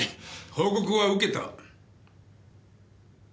報告は受けた。